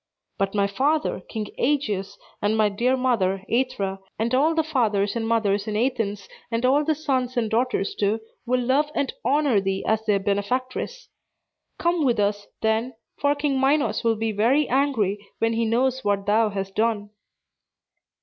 But my father, King Aegeus, and my dear mother, Aethra, and all the fathers and mothers in Athens, and all the sons and daughters too, will love and honor thee as their benefactress. Come with us, then; for King Minos will be very angry when he knows what thou hast done."